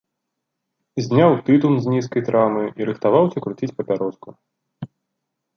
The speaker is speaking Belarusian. Зняў тытун з нізкай трамы і рыхтаваўся круціць папяроску.